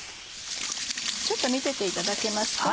ちょっと見てていただけますか？